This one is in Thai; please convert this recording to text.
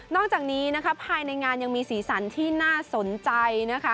นอกจากนี้ภายในงานยังมีสีสันที่น่าสนใจ